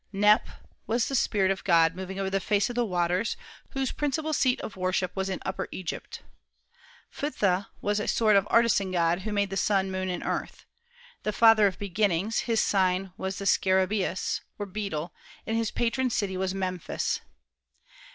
Kneph was the spirit of God moving over the face of the waters, whose principal seat of worship was in Upper Egypt. Phtha was a sort of artisan god, who made the sun, moon, and the earth, "the father of beginnings;" his sign was the scarabaeus, or beetle, and his patron city was Memphis.